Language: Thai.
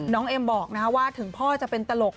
เอ็มบอกว่าถึงพ่อจะเป็นตลก